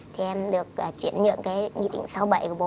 thì em được chuyển nhượng cái nghị định sáu mươi bảy của bố